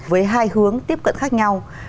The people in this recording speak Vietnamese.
với hai hướng tiếp cận khác nhau